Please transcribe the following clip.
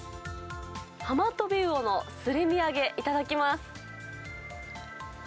ハマトビウオのすり身揚げ、いただきます。